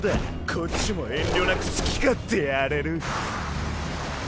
こっちも遠慮なく好き勝手やれる。